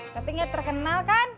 tapi gak terkenal kan